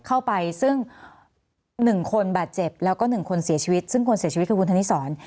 เข้าไปซึ่ง๑คนบาดเจ็บแล้วก็๑คนเสียชีวิตซึ่งคนเสียชีวิตคือคุณธนิสร